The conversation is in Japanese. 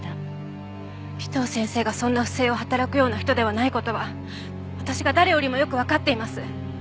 尾藤先生がそんな不正を働くような人ではない事は私が誰よりもよくわかっています。